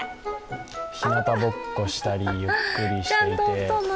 ひなたぼっこしたりゆっくりして。